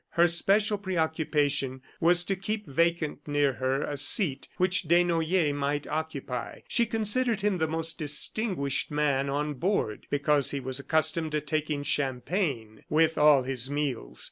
Her special preoccupation was to keep vacant near her a seat which Desnoyers might occupy. She considered him the most distinguished man on board because he was accustomed to taking champagne with all his meals.